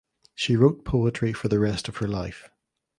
She wrote poetry for the rest of her life.